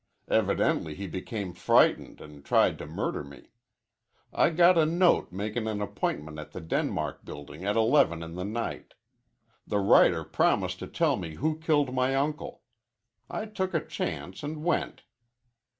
Evidently he became frightened an' tried to murder me. I got a note makin' an appointment at the Denmark Building at eleven in the night. The writer promised to tell me who killed my uncle. I took a chance an' went."